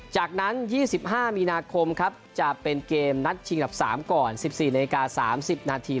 จากนั้น๒๕มีนาคมครับจะเป็นเกมนัดชิงดับ๓ก่อน๑๔นาฬิกา๓๐นาที